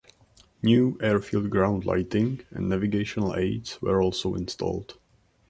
New airfield ground lighting and navigational aids were also installed.